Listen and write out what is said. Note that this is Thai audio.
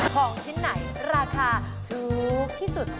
ของชิ้นไหนราคาถูกที่สุด